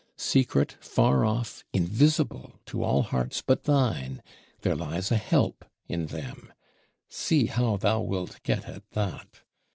Secret, far off, invisible to all hearts but thine, there lies a help in them: see how thou wilt get at that.